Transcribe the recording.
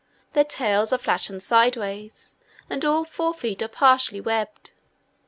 Their tails are flattened sideways, and all four feet partially webbed.